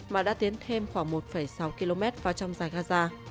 mà đã tiến thêm khoảng một sáu km vào trong dài gaza